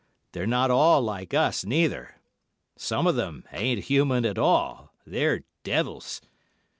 They're not all like us, neither. Some of them ain't human at all, they're devils.